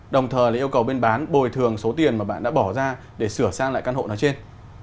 đồng thời là yêu cầu bên bán bồi thường số tiền mà bạn đã bỏ ra để sửa sang lại căn hộ nào trên